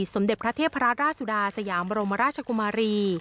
สมเด็จพระเทพราชสุดาสยามบรมราชกุมารี